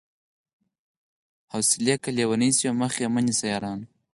حوصلې که ليونۍ سوې مخ يې مه نيسئ يارانو